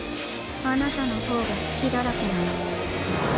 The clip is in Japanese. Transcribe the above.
あなたの方が隙だらけなの。